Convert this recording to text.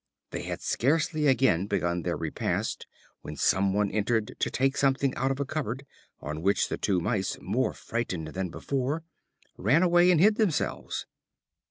They had scarcely again begun their repast when some one else entered to take something out of a cupboard, on which the two Mice, more frightened than before, ran away and hid themselves.